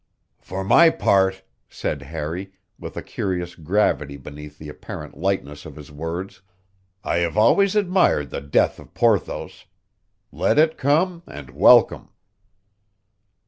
"For my part," said Harry, with a curious gravity beneath the apparent lightness of his words, "I have always admired the death of Porthos. Let it come, and welcome."